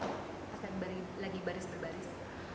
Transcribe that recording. pas kan lagi baris baris